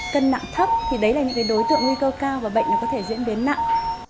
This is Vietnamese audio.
cân nặng thấp thì đấy là những đối tượng nguy cơ cao và bệnh có thể diễn biến nặng